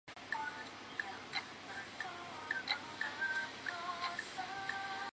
弓弦乐器运用琴弓以表达乐曲的表情。